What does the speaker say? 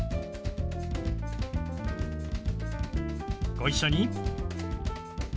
ご一緒に。